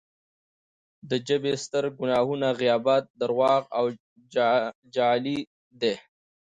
د ژبې درې ستر ګناهونه غیبت، درواغ او چغلي دی